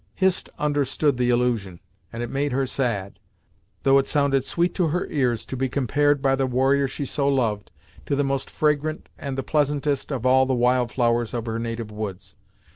Hist understood the allusion, and it made her sad; though it sounded sweet to her ears to be compared, by the warrior she so loved, to the most fragrant and the pleasantest of all the wild flowers of her native woods.